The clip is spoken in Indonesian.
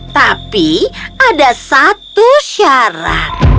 tapi ada satu hal yang aku inginkan